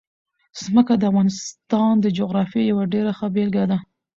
ځمکه د افغانستان د جغرافیې یوه ډېره ښه بېلګه ده.